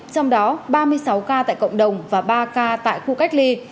trong đó ba mươi sáu ca tại cộng đồng và ba ca tại khu cách ly